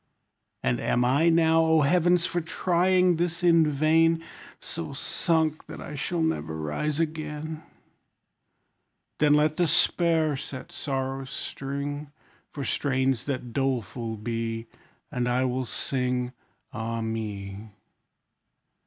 And am I now, O heavens! for trying this in vain, So sunk that I shall never rise again? Then let despair set sorrow's string, For strains that doleful be; And I will sing, Ah me!